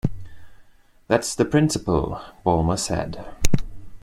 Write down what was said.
That's the principle, Ballmer said.